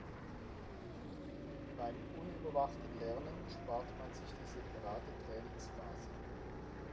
Beim unüberwachten Lernen spart man sich die separate Trainingsphase.